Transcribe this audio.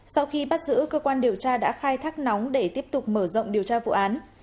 sau khi bắt giữ cơ quan điều tra đã khai thác nóng để tiếp tục mở rộng điều tra vụ án